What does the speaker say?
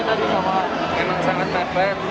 ini memang sangat mebet